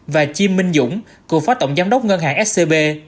và chi minh dũng cựu phó tổng giám đốc ngân hàng scb